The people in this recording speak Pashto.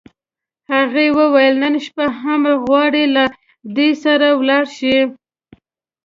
هغې وویل: نن شپه هم غواړې، له ده سره ولاړه شې؟